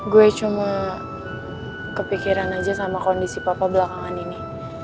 gue cuma kepikiran aja sama kondisi papa belakangan ini